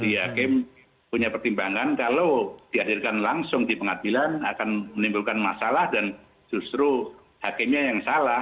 ya hakim punya pertimbangan kalau dihadirkan langsung di pengadilan akan menimbulkan masalah dan justru hakimnya yang salah